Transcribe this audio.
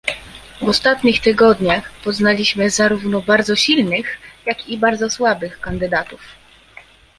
W ostatnich tygodniach poznaliśmy zarówno bardzo silnych, jak i bardzo słabych kandydatów